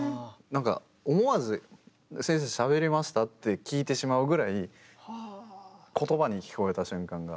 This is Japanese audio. なんか思わず先生しゃべりました？って聞いてしまうぐらい言葉に聞こえた瞬間が。